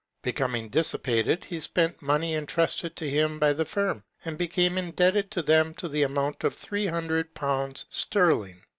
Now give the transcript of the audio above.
Becoming dissipated, he spent money entrusted to him by the firm, and became indebted to them to the amount of THE MAOIOIAN OF THE NORTH. 201 300Z. sterling.